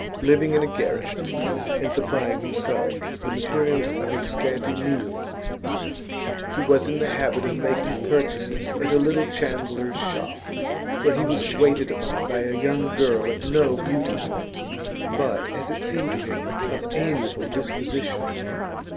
Living in a garret, and supplying himself with the materials of his scanty meals, he was in the habit of making purchases at a little chandler's shop, where he was waited upon by a young girl of no beauty, but, as it seemed to him, of amiable disposition.